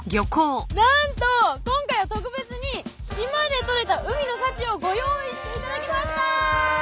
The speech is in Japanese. なんと今回は特別に島でとれた海の幸をご用意して頂きました！